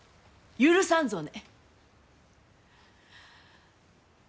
許さんぞね。